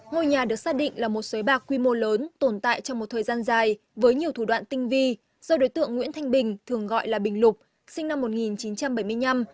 ngôi nhà được xác định là một xới bạc quy mô lớn tồn tại trong một thời gian dài với nhiều thủ đoạn tinh vi do đối tượng nguyễn thanh bình thường gọi là bình lục sinh năm một nghìn chín trăm bảy mươi năm